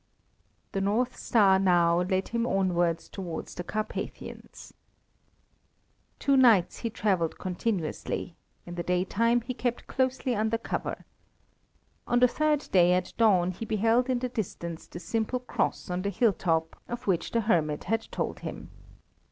The north star now led him onwards towards the Carpathians. Two nights he travelled continuously; in the daytime he kept closely under cover. On the third day at dawn he beheld in the distance the simple cross on the hilltop, of which the hermit had told him.